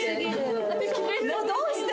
どうした？